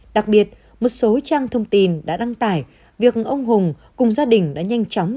đặc biệt một số trang thông tin đã đăng tải việc ông hùng cùng gia đình đã nhanh chóng